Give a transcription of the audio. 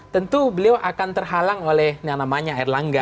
tentu beliau akan terhalang oleh yang namanya erlangga